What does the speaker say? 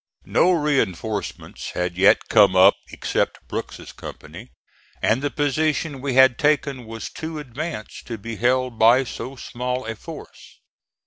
No reinforcements had yet come up except Brooks's company, and the position we had taken was too advanced to be held by so small a force.